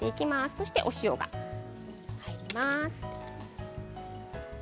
そして、お塩が入ります。